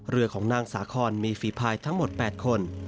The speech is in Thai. เรือของนางสาคอนมีฝีพายทั้งหมด๘คน